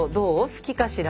好きかしら？